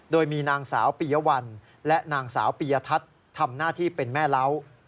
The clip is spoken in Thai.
โดยมีนางสาวปียวัลและนางสาวปียทัศน์ทำหน้าที่เป็นแม่เล้า